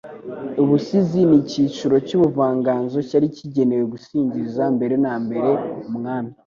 Ubusizi ,ni icyiciro cy'ubuvanganzo cyari kigenewe gusingiza mbere na mbere Umwami